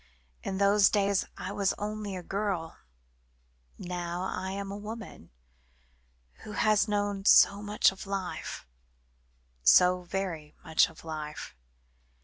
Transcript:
In those days I was only a girl; now I am a woman, who has known so much of life so very much of life.